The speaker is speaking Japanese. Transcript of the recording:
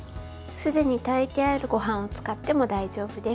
すでに炊いてあるごはんを使っても大丈夫です。